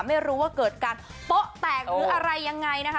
ไม่รู้ว่าเกิดการโป๊ะแตกหรืออะไรยังไงนะคะ